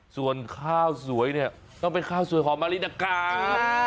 ส่วนข้าวสวยเนี่ยต้องเป็นข้าวสวยของมารินากาศ